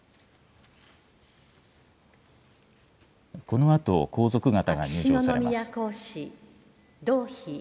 このあと、皇族方が入場されます。